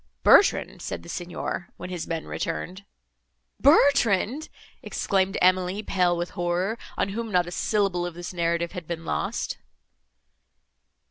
'Bertrand,' said the Signor, when his men returned—" "Bertrand!" exclaimed Emily, pale with horror, on whom not a syllable of this narrative had been lost.